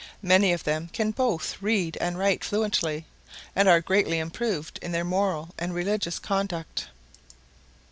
Many of them can both read and write fluently, and are greatly improved in their moral and religious conduct.